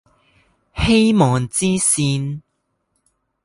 希望之線